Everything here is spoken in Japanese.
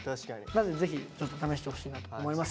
マジでぜひちょっと試してほしいなと思います。